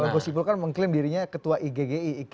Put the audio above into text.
bo sipul kan mengklaim dirinya ketua iggi